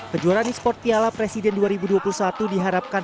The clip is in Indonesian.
kejuaraan esports tiala presiden dua ribu dua puluh satu diharapkan